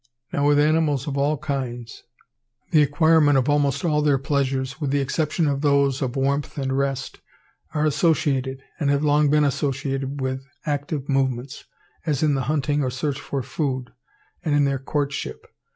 Now with animals of all kinds, the acquirement of almost all their pleasures, with the exception of those of warmth and rest, are associated, and have long been associated with active movements, as in the hunting or search for food, and in their courtship.